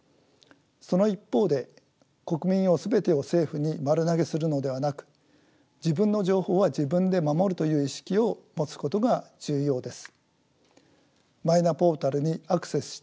その一方で国民も全てを政府に丸投げするのではなく自分の情報は自分で守るという意識を持つことが重要です。